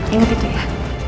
ingat itu ya